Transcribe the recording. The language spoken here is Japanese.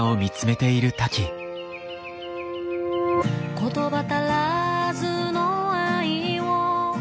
「言葉足らずの愛を愛を」